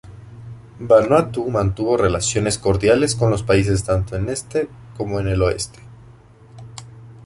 Vanuatu mantuvo relaciones cordiales con los países tanto en Este como en el Oeste.